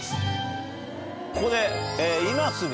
ここで。